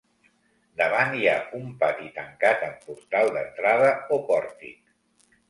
Davant hi ha un pati tancat amb portal d'entrada o pòrtic.